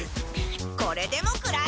これでもくらえ！